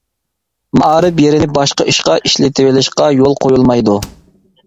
مائارىپ يېرىنى باشقا ئىشقا ئىشلىتىۋېلىشقا يول قويۇلمايدۇ.